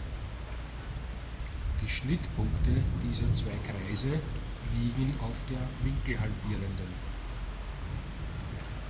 Die Schnittpunkte dieser zwei Kreise liegen auf der Winkelhalbierenden.